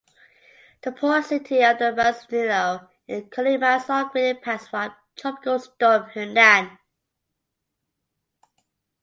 The port city of Manzanillo in Colima saw great impacts from Tropical Storm Hernan.